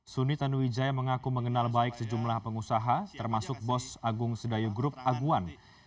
suni tanuwijaya mengaku mengenal baik sejumlah pengusaha termasuk bos agung sedayo group aguan